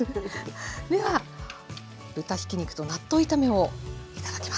では豚ひき肉と納豆炒めを頂きます。